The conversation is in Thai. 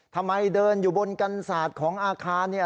ทำไมเดินอยู่บนกันศาสตร์ของอาคารเนี่ย